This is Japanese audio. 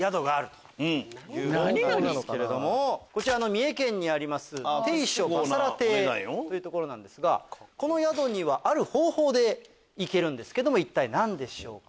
三重県にあります汀渚ばさら邸という所ですがこの宿にはある方法で行けるんですけども一体何でしょうか？